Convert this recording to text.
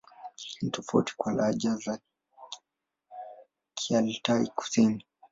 Ni tofauti na lahaja za Kialtai-Kusini.